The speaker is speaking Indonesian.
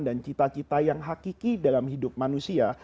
dan cita cita yang hakiki dalam hidup manusia